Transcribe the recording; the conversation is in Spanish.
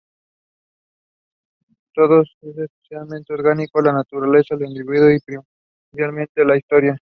Todo es esencialmente ser "orgánico": la naturaleza, el individuo y, primordialmente, la historia.